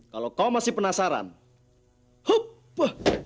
kalau kau masih penasaran hub